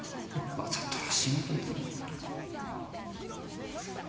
わざとらしいなこいつ。